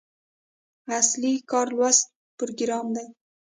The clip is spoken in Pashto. اصلي کار لوست پروګرام دی.